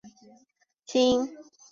清朝定名为升平坡。